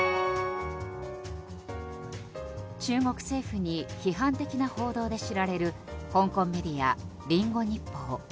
中国政府に批判的な報道で知られる香港メディア、リンゴ日報。